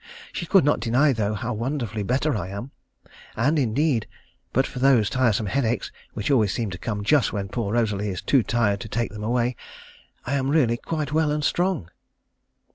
She could not deny, though, how wonderfully better I am, and indeed, but for those tiresome headaches, which always seem to come just when poor Rosalie is too tired to take them away, I am really quite well and strong.